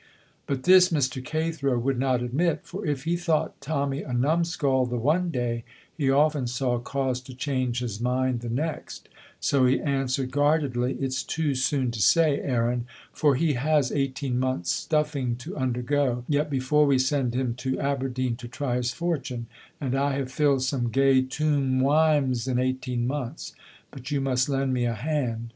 But this Mr. Cathro would not admit, for if he thought Tommy a numskull the one day he often saw cause to change his mind the next, so he answered guardedly, "It's too soon to say, Aaron, for he has eighteen months' stuffing to undergo yet before we send him to Aberdeen to try his fortune, and I have filled some gey toom wimes in eighteen months. But you must lend me a hand."